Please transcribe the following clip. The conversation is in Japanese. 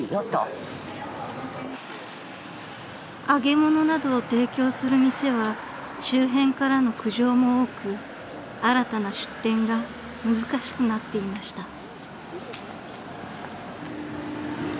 ［揚げ物などを提供する店は周辺からの苦情も多く新たな出店が難しくなっていました］